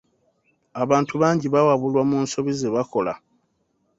Abantu bangi bawabulwa mu nsobi zebakola.